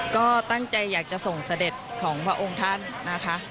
ก็ตั้งใจอยากจะส่งเสด็จของพระองค์ท่านนะคะ